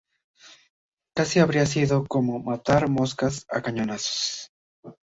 Casi habría sido como "matar moscas a cañonazos".